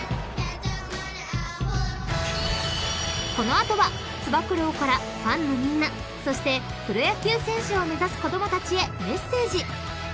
［この後はつば九郎からファンのみんなそしてプロ野球選手を目指す子供たちへメッセージ］